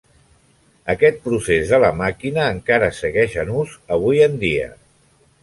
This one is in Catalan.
Aquest procés de la màquina encara segueix en ús avui en dia.